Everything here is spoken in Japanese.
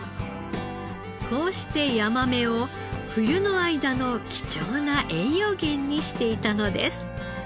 こうしてヤマメを冬の間の貴重な栄養源にしていたのです。